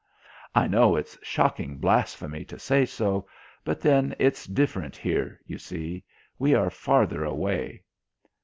I know it's shocking blasphemy to say so, but then it's different here, you see. We are farther away."